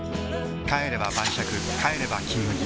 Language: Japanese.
帰れば晩酌帰れば「金麦」